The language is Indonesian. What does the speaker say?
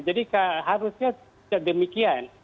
jadi harusnya demikian